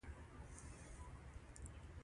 ما ورته د تاریخ او جغرافیې تعریف تکرار کړ.